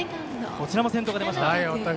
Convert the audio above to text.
こちらも先頭が出ました。